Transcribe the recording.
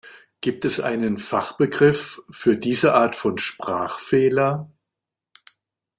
Gibt es einen Fachbegriff für diese Art von Sprachfehler?